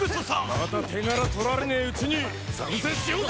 また手柄取られねえうちに参戦しようぜ！